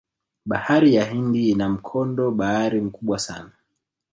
bahari ya hindi ina mkondo bahari mkubwa sana